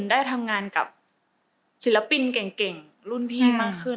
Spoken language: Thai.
ได้ทำงานกับศิลปินเก่งรุ่นพี่มากขึ้น